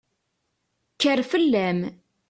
Kker fell-am!